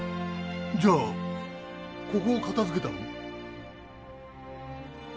じゃあここを片づけたのも？